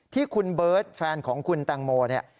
ที่คุณเบิร์ตแฟนของคุณแตงโมเนี่ย